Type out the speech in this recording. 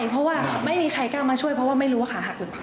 เพราะว่าไม่มีใครกล้ามาช่วยเพราะว่าไม่รู้ว่าขาหัก